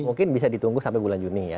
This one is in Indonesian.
mungkin bisa ditunggu sampai bulan juni ya